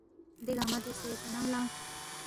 دے گنگمہ بیاسے تا نم لنگس